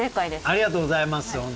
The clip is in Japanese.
ありがとうございます。